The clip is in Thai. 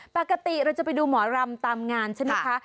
ปกติเราจะไปดูหมอรำตามงานใช่ไหมคะ